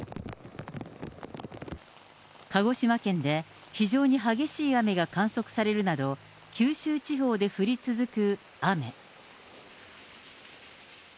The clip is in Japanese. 鹿児島県で、非常に激しい雨が観測されるなど、九州地方で降り続く雨。